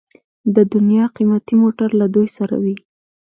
د دنیا قیمتي موټر له دوی سره وي.